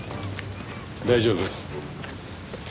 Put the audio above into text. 大丈夫？